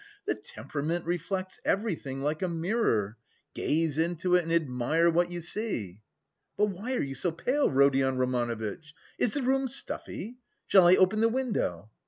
The temperament reflects everything like a mirror! Gaze into it and admire what you see! But why are you so pale, Rodion Romanovitch? Is the room stuffy? Shall I open the window?"